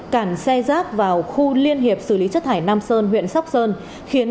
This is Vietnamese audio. cản xe rác vào khu liên hiệp xử lý chất thải nam sơn huyện sóc sơn khiến